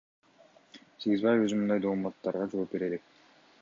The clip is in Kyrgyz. Сегизбаев өзү мындай дооматтарга жооп бере элек.